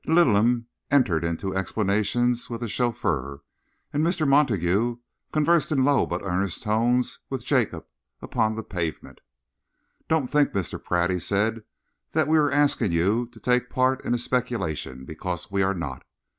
Littleham entered into explanations with the chauffeur, and Mr. Montague conversed in low but earnest tones with Jacob upon the pavement. "Don't think, Mr. Pratt," he said, "that we are asking you to take part in a speculation, because we are not.